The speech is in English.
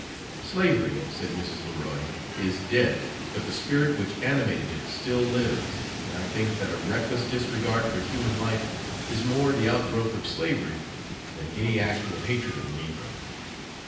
"Slavery," said Mrs. Leroy, "is dead, but the spirit which animated it still lives; and I think that a reckless disregard for human life is more the outgrowth of slavery than any actual hatred of the negro."